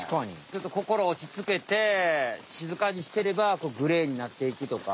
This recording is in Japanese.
ちょっとこころおちつけてしずかにしてればグレーになっていくとか。